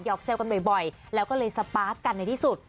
หยอกแซวกันบ่อยแล้วก็เลยสปาสกันในที่สุด